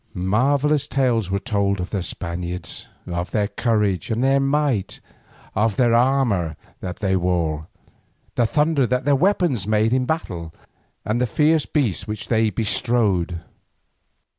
Marvellous tales were told of the Spaniards, of their courage and their might, of the armour that they wore, the thunder that their weapons made in battle, and the fierce beasts which they bestrode.